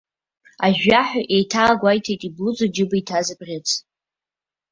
Ажәжәаҳәа еиҭаагәеиҭеит иблуз аџьыба иҭаз абӷьыц.